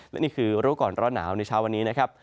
และนี่คือรู้ก่อนร้อนหนาวในเช้าวันนี้นะครับ